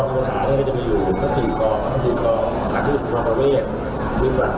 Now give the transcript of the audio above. เมื่อเมื่อลาสีลาเทลอะไรอย่างเงี้ยว่า